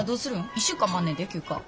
１週間もあんねんで休暇。